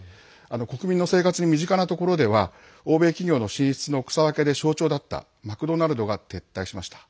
国民の生活に身近なところでは欧米企業の進出の草分けで象徴だったマクドナルドが撤退しました。